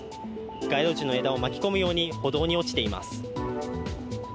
街路樹の枝を巻き込むように歩道に落ちています。